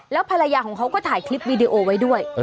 แล้วภรรยาของเขาก็ถ่ายคลิปวีดีโอไว้ด้วย